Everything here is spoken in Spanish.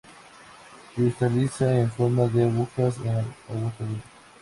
Cristaliza en forma de agujas en agua caliente.